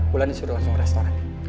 bulan disuruh langsung restoran